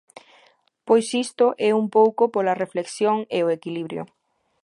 Pois isto é un pouco pola reflexión e o equilibrio.